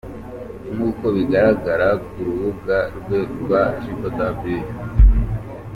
Nk’uko bigaragara ku rubuga rwe rwa www.